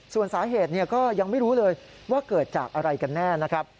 ส่วนสาเหตุก็ยังไม่รู้เลยว่าเกิดจากอะไรกันแน่นะครับ